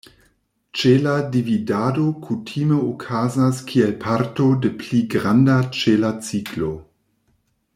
Ĉela dividado kutime okazas kiel parto de pli granda ĉela ciklo.